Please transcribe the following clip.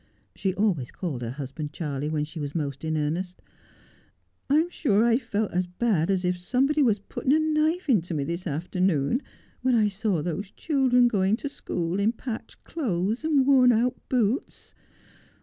She always called her husband Charley when she was most in earnest. ' I'm sure I felt as bad as if somebody was putting a knife into me this afternoon, when I saw those children going to school in patched clothes and worn out boots.